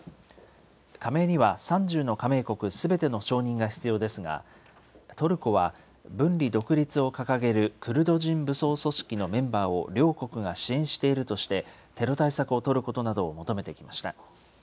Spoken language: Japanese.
加盟には３０の加盟国すべての承認が必要ですが、トルコは分離独立を掲げるクルド人武装組織のメンバーを両国が支援しているとして、テロ対策を取ることなどを求めてきました。